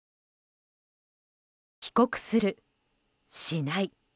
帰国する、しない。